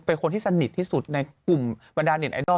เป็นคนที่สนิทที่สุดในกลุ่มบรรดาเน็ตไอดอล